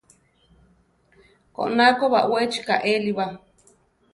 Koná ko baʼwechi kaéli ba.